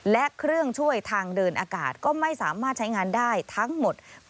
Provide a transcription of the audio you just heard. และเครื่องช่วยทางเดินอากาศก็ไม่สามารถใช้งานได้ทั้งหมด